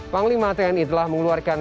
panglima tni telah mengeluarkan